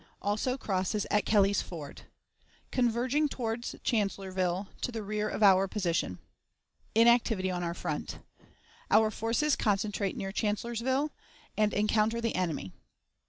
Also crosses at Kelly's Ford. Converging toward Chancellorsville, to the Rear of our Position. Inactivity on our Front. Our Forces concentrate near Chancellorsville and encounter the Enemy.